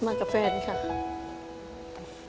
ทำงานชื่อนางหยาดฝนภูมิสุขอายุ๕๔ปี